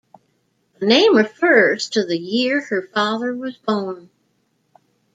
The name refers to the year her father was born.